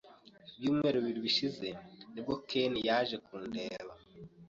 Ibyumweru bibiri bishize nibwo Ken yaje kundeba.